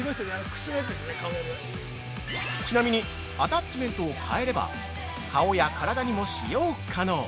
ちなみに、アタッチメントを変えれば、顔や体にも使用可能！